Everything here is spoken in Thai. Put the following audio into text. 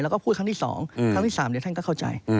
แล้วก็พูดครั้งที่สองครั้งที่สามเดี๋ยวท่านก็เข้าใจ